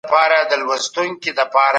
د موضوعاتو تسلسل روښانه دی.